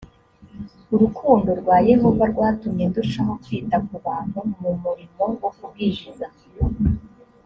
urukundo rwa yehova rwatumye ndushaho kwita ku bantu mu murimo wo kubwiriza